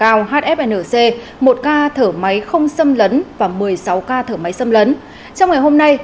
cao hfnc một ca thở máy không xâm lấn và một mươi sáu ca thở máy xâm lấn trong ngày hôm nay